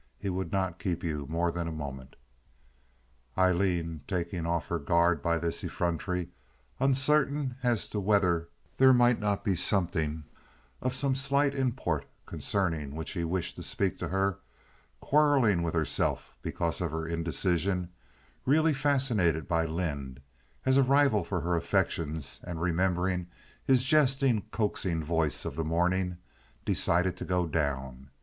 He would not keep you more than a moment." Aileen, taken off her guard by this effrontery, uncertain as to whether there might not be something of some slight import concerning which he wished to speak to her, quarreling with herself because of her indecision, really fascinated by Lynde as a rival for her affections, and remembering his jesting, coaxing voice of the morning, decided to go down.